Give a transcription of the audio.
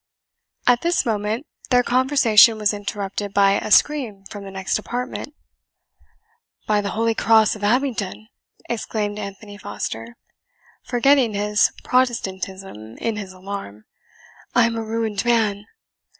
At this moment their conversation was interrupted by a scream from the next apartment. "By the holy Cross of Abingdon," exclaimed Anthony Foster, forgetting his Protestantism in his alarm, "I am a ruined man!"